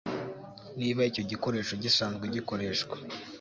niba icyo gikoresho gisanzwe gikoreshwa